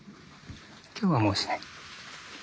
今日はもうしない。